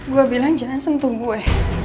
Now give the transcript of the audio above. gue bilang jangan sentuh gue